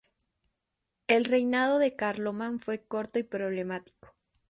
El reinado de Carlomán fue corto y problemático.